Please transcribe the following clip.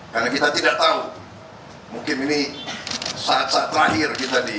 karena kita tidak tahu mungkin ini saat saat terakhir kita di dunia ini